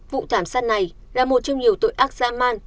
vụ thảm sát này là một trong nhiều tội ác dã man